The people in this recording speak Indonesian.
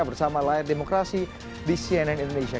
bersama layar demokrasi di cnn indonesia